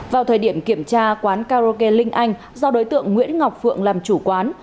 vào thời điểm kiểm tra quán karaoke linh anh do đối tượng nguyễn ngọc phượng làm chủ quán